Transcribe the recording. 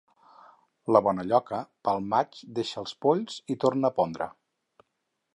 La bona lloca, pel maig deixa els polls i torna a pondre.